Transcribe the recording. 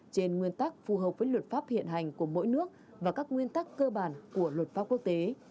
trên nguyên tắc phù hợp với luật pháp hiện hành của mỗi nước và các nguyên tắc cơ bản của luật pháp quốc tế